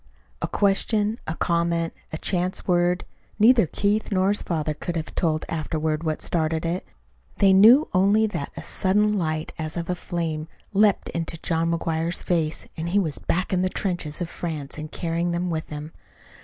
A question, a comment, a chance word neither Keith nor his father could have told afterward what started it. They knew only that a sudden light as of a flame leaped into John McGuire's face and he was back in the trenches of France and carrying them with him.